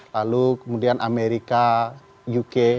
lalu kemudian amerika uk